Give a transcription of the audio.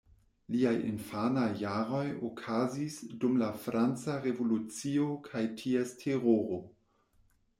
Liaj infanaj jaroj okazis dum la Franca revolucio kaj ties Teroro.